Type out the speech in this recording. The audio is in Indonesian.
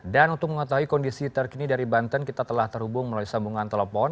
dan untuk mengetahui kondisi terkini dari banten kita telah terhubung melalui sambungan telepon